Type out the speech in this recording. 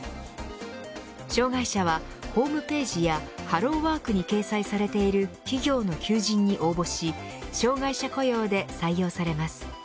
障がい者は、ホームページやハローワークに掲載されている企業の求人に応募し障がい者雇用で採用されます。